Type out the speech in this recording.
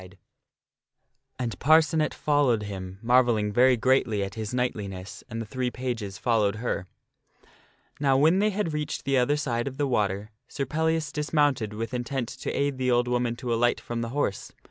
A STRANGE ADVENTURE BEFALLETH 211 And Parcenet followed him, marvelling very greatly at his knightliness, and the three pages followed her. Now when they had reached the other side of the water, Sir Pellias dis mounted with intent to aid the old woman to alight from the horse.